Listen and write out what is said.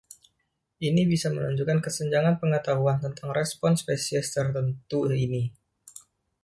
Ini bisa menunjukkan kesenjangan pengetahuan tentang respons spesies tertentu ini.